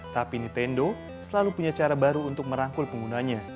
tapi nintendo selalu punya cara baru untuk merangkul penggunanya